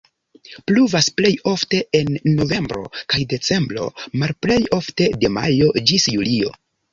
Pluvas plej ofte en novembro kaj decembro, malplej ofte de majo ĝis julio.